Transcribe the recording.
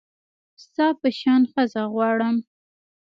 ستا په شان ښځه غواړم